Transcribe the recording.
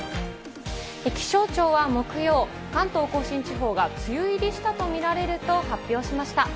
気象庁は木曜、関東甲信地方が梅雨入りしたとみられると発表しました。